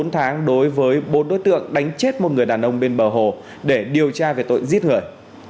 bốn tháng đối với bốn đối tượng đánh chết một người đàn ông bên bờ hồ để điều tra về tội giết người